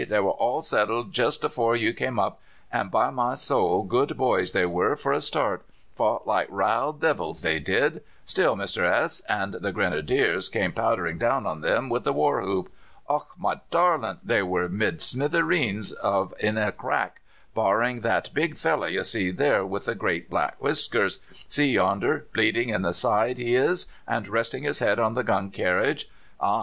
'They were all settled jist afore you came up: and, by my soul, good boys they were for a start fought like raal divils, they did, till Mr. S and the Grenadiers came powdering down on them with the war whoop. Och, my darlint! they were made smiddreens of in a crack, barring that big fellow you see there, with the great black whiskers see yonder bleeding in the side, he is, and resting his head on the gun carriage. Ah!